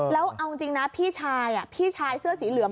แล้วเอาจริงนะพี่ชายพี่ชายเสื้อสีเหลือง